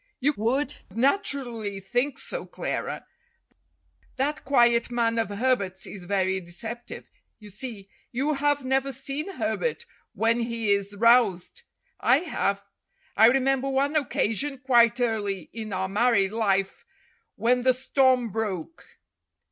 "You would naturally think so, Clara. That quiet manner of Herbert's is very deceptive. You see, you have never seen Herbert when he is roused. I have. I remember one occasion, quite early in our married life, when the storm broke."